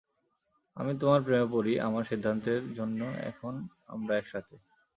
কিন্তু তোমার প্রেমে পড়ি, আমার সিদ্ধান্তের জন্য এখন আমরা একসাথে।